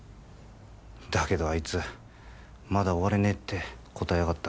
だけどあいつまだ終われねえって答えやがった